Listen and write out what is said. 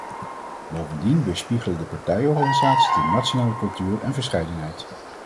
Bovendien weerspiegelen de partijorganisaties de nationale cultuur en verscheidenheid.